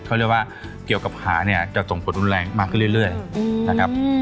เขาเรียกว่าเกี่ยวกับขาเนี่ยจะส่งผลรุนแรงมากขึ้นเรื่อยนะครับ